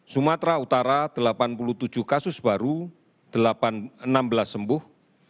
sumatera utara delapan puluh tujuh kasus baru enam belas sembuh